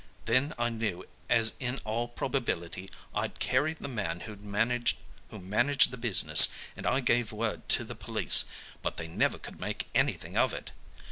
Then I knew as in all probability I'd carried the man who managed the business, and I gave word to the police, but they never could make anything of it.